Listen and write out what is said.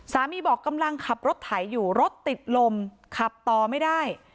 บอกกำลังขับรถไถอยู่รถติดลมขับต่อไม่ได้